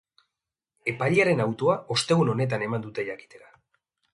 Epailearen autoa ostegun honetan eman dute jakitera.